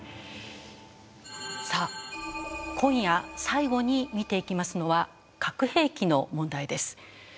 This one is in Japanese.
さあ今夜最後に見ていきますのは核兵器の問題です。